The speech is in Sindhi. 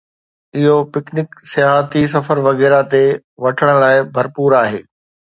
. اهو پکنڪ، سياحتي سفر، وغيره تي وٺڻ لاء ڀرپور آهي.